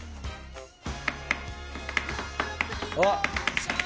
あっ。